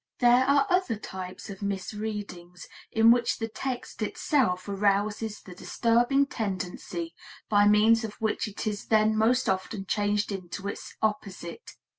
There are other types of misreadings, in which the text itself arouses the disturbing tendency, by means of which it is then most often changed into its opposite.